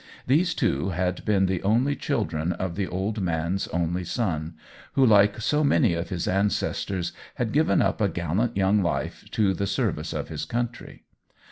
These two had been the only children of the old man*s only son, who, like so many of his ancestors, had given up a gallant young life to the service of his country.